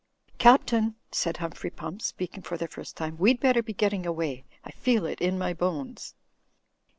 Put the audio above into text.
"Captain," said Humphrey Pump, speaking for the first time, "we'd better be getting away. I feel it in my bones."